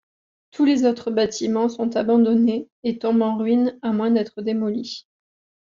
Tous les autres bâtiments sont abandonnés, et tombent en ruines à moins d'être démolis.